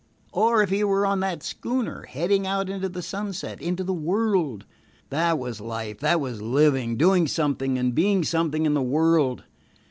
Or if he were on that schooner, heading out into the sunset, into the world! That was life, that was living, doing something and being something in the world.